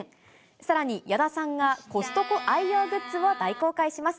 さらに矢田さんがコストコ愛用グッズを大公開します。